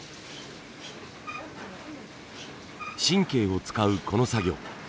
神経を使うこの作業。